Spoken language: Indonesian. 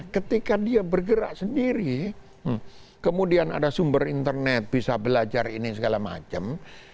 ketika dia bergerak sendiri kemudian ada sumber internet bisa belajar ini segala macam